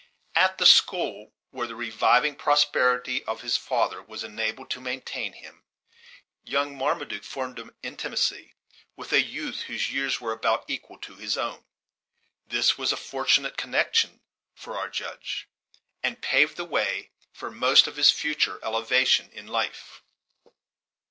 At the school where the reviving prosperity of his father was enabled to maintain him, young Marmaduke formed an intimacy with a youth whose years were about equal to his own. This was a fortunate connection for our Judge, and paved the way to most of his future elevation in life.